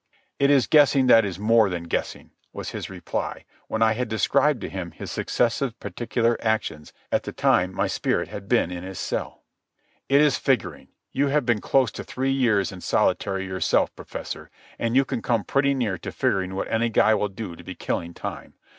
"It is guessing that is more than guessing," was his reply, when I had described to him his successive particular actions at the time my spirit had been in his cell. "It is figuring. You have been close to three years in solitary yourself, Professor, and you can come pretty near to figuring what any guy will do to be killing time.